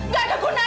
gak ada gunanya